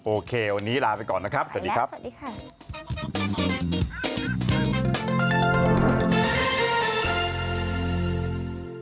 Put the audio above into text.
โอเควันนี้ลาไปก่อนนะครับสวัสดีครับสวัสดีค่ะ